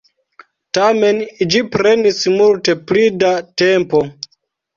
Tamen, ĝi prenis multe pli da tempo.